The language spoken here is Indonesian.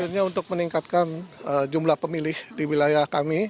tujuannya untuk meningkatkan jumlah pemilih di wilayah kami